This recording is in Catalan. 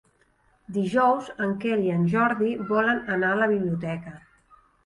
Dijous en Quel i en Jordi volen anar a la biblioteca.